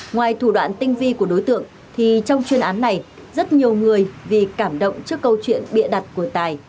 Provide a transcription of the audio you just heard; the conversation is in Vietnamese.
ngoài thủ đoạn tinh vi của đối tượng thì trong chuyên án này rất nhiều người vì cảm động trước câu chuyện bịa đặt của tài